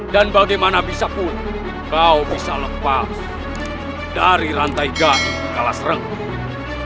dan bagaimana bisa pun kau bisa lepas dari rantai gaya kalas renggak